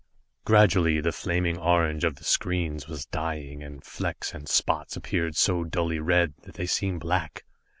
Gradually the flaming orange of the screens was dying and flecks and spots appeared so dully red, that they seemed black.